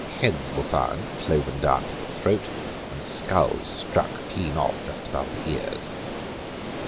Heads were found cloven down to the throat, and sculls struck clean off just above the ears.